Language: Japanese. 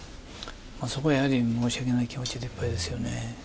そこはやはり申し訳ない気持ちでいっぱいですよね。